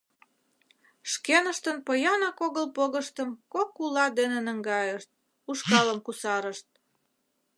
Шкеныштын поянак огыл погыштым кок ула дене наҥгайышт, ушкалым кусарышт.